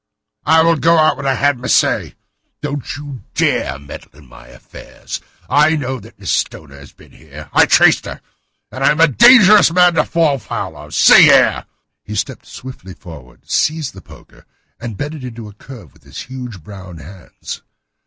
"I will go when I have had my say. Don't you dare to meddle with my affairs. I know that Miss Stoner has been here. I traced her! I am a dangerous man to fall foul of! See here." He stepped swiftly forward, seized the poker, and bent it into a curve with his huge brown hands.